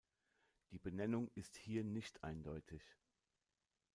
Die Benennung ist hier nicht eindeutig.